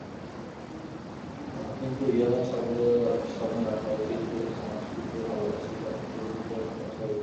কিন্তু ইহা সর্বদা স্মরণ রাখা উচিত যে, সমষ্টিকে ভালবাসিলে অংশগুলিকেও ভালবাসা হইল।